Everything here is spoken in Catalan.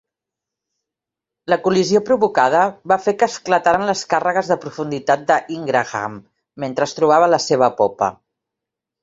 La col·lisió provocada va fer que esclataren les càrregues de profunditat de "Ingraham" mentre es trobava a la seva popa.